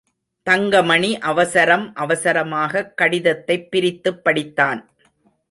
தங்கமணி அவசரம் அவசரமாகக் கடிதத்தைப் பிரித்துப் படித்தான்.